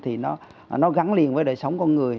thì nó gắn liền với đời sống con người